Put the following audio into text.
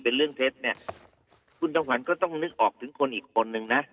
เป็นเรื่องเท็จเนี่ยคุณจำขวัญก็ต้องนึกออกถึงคนอีกคนนึงนะ